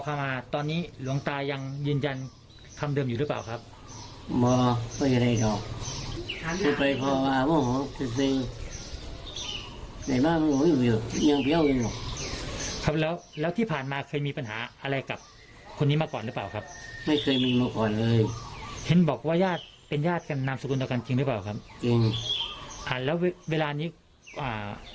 กันจริงหรือเปล่าครับจริงอ่าแล้วเวลานี้อ่า